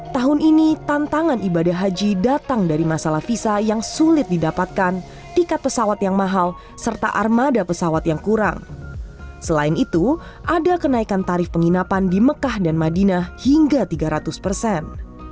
tahun dua ribu dua puluh tiga dianggap sebagai tahun yang sulit karena tiket pesawat yang mahal dan tarif pengenapan di makah dan madinah yang naik tiga puluh persen